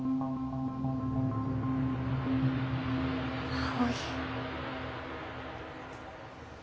葵。